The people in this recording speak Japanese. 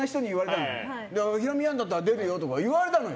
「ヒロミやるんだったら出るよ」とか言われたのよ。